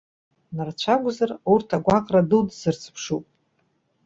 Нарцәы акәзар, урҭ агәаҟра дуӡӡа рзыԥшуп.